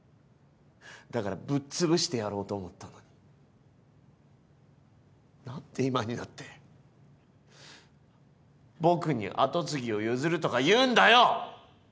だからぶっつぶしてやろうと思ったのに何で今になって僕に跡継ぎを譲るとか言うんだよ！？